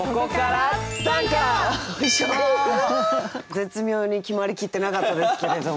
絶妙に決まりきってなかったですけれども。